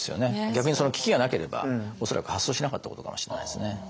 逆にその危機がなければ恐らく発想しなかったことかもしれないですね。